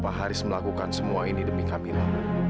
kenapa haris melakukan semua ini demi kamila